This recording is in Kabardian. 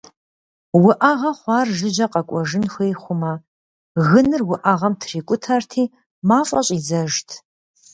Уӏэгъэ хъуар жыжьэ къэкӏуэжын хуей хъумэ, гыныр уӏэгъэм трикӏутэрти мафӏэ щӏидзэжт.